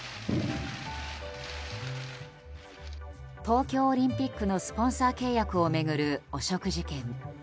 東京オリンピックのスポンサー契約を巡る汚職事件。